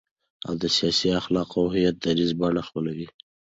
او د سیاسي، اخلاقي او هویتي دریځ بڼه خپلوي،